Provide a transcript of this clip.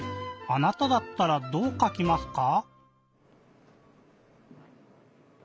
あなただったらどうかきますか？